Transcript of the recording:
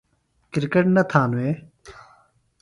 کرکٹ نہ تھانوے ؟